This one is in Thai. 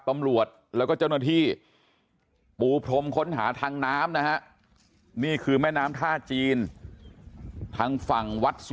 ตำรวจแล้วก็เจ้าหน้าที่ปูพรมค้นหาทางน้ำนะฮะนี่คือแม่น้ำท่าจีนทางฝั่งวัดสุ